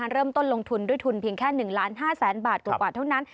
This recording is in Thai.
เริ่มต้นลงทุนด้วยทุนเพียงแค่๑ล้าน๕แสนบาทกว่าเท่านั้น